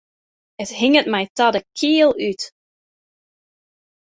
It hinget my ta de kiel út.